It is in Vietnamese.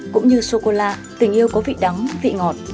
cũng như sô cô la tình yêu có vị đắng vị ngọt